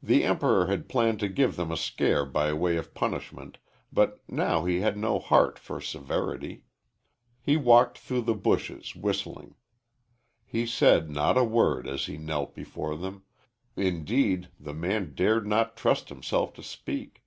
The Emperor had planned to give them a scare by way of punishment, but now he had no heart for severity. He walked through the bushes whistling. He said not a word as he knelt before them indeed, the man dared not trust himself to speak.